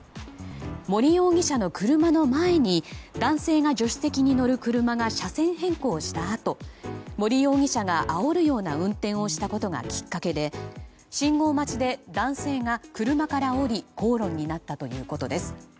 森容疑者の車の前に男性が助手席に乗る車が車線変更したあと森容疑者があおるような運転をしたことがきっかけで信号待ちで男性が車から降り口論になったということです。